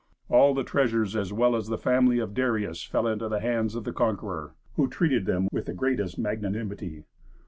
All the treasures as well as the family of Darius fell into the hands of the conqueror, who treated them with the greatest magnanimity.